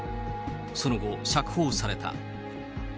その後、釈放された。